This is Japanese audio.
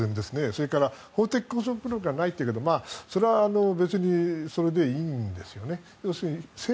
それから法的拘束力はないんだけどそれは別にそれでいいんですよね。